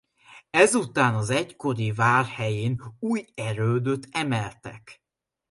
Ezután az egykori vár helyén új erődöt emeltek.